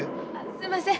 すんません